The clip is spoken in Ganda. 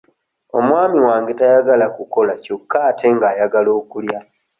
Omwami wange tayagala kukola kyokka ate nga ayagala okulya.